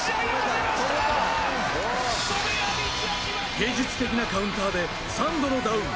芸術的なカウンターで３度のダウン。